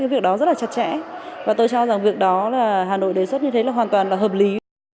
việc đó rất là chặt chẽ và tôi cho rằng việc đó là hà nội đề xuất như thế là hoàn toàn là hợp lý